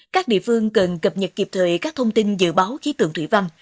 các địa phương cần cập nhật kịp thời các thông tin dự báo khí tượng thủy văn